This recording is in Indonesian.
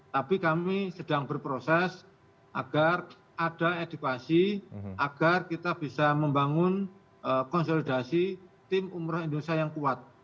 tapi kami sedang berproses agar ada edukasi agar kita bisa membangun konsolidasi tim umroh indonesia yang kuat